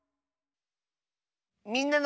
「みんなの」。